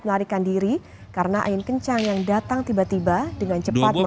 pemilik rumah mengaku sempat ikut terjatuh ke laut bersama bantuan